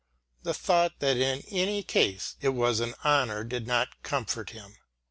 The thought that in any case it was an honour did not comfort him.